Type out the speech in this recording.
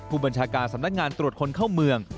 ผู้บัญชาการสำนักงานตรวจคนเข้าเมือง